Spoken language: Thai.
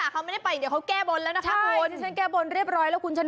คุณที่สาเคยไป